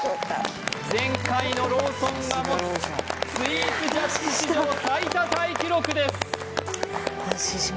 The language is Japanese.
前回のローソンが持つスイーツジャッジ史上最多タイ記録です